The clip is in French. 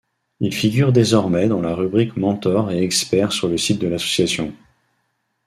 Il figure désormais dans la rubrique mentors et experts sur le site de l’association.